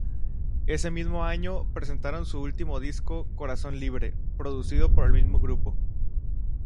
Ese mismo año presentaron su último disco "Corazón Libre", producido por el mismo grupo.